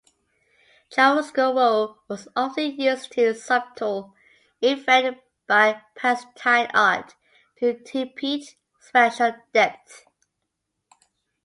Chiaroscuro was often used to subtle effect in Byzantine art to depict spatial depth.